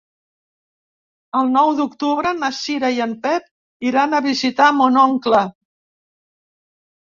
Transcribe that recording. El nou d'octubre na Cira i en Pep iran a visitar mon oncle.